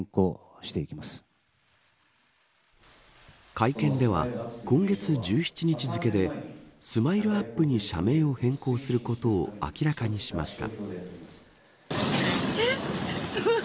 会見では今月１７日付でＳＭＩＬＥ‐ＵＰ．に社名を変更することを明らかにしました。